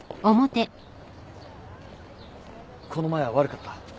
この前は悪かった。